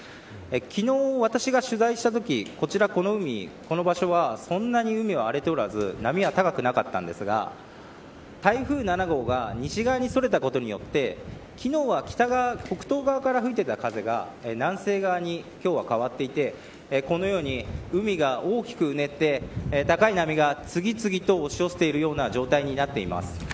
昨日、私が取材したときこの場所はそんなに海は荒れておらず波は高くなかったんですが台風７号が西側にそれたことによって昨日は北東側から吹いていた風が南西側に今日は変わっていてこのように、海が大きくうねって高い波が次々と押し寄せているような状態になっています。